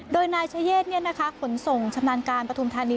โดยนายชะเยศเนี่ยนะคะขนส่งชำนาญการปฐุมธานี